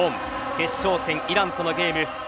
決勝戦、イランとのゲーム。